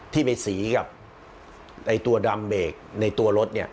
ที่ไปสีกับตัวดำเบรกในตัวรถเนี่ย